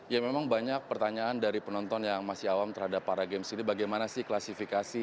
ya memang banyak pertanyaan dari penonton yang masih awam terhadap para games ini bagaimana sih klasifikasi